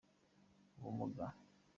ubumuga.